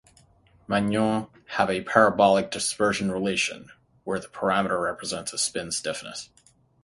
Magnons have a parabolic dispersion relation: where the parameter represents a spin stiffness.